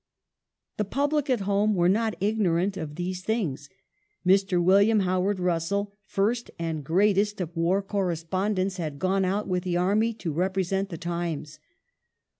The public at home were not ignorant of these things. Mr. Rising in William Howard Russell, first and greatest of war correspondents, in^Eng°" had gone out with the army to represent The Times.